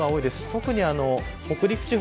特に北陸地方